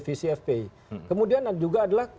visi fpi kemudian juga adalah